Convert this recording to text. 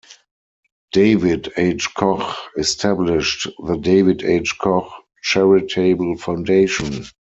David H. Koch established the David H. Koch Charitable Foundation.